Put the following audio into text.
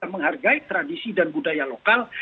menghargai tradisi dan budaya lokal